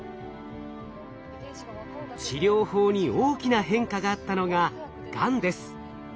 治療法に大きな変化があったのががんです。